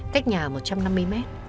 cách nhà một trăm năm mươi mét